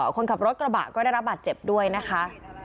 คนขับรถกระบะก็ได้รับบาดเจ็บด้วยนะคะ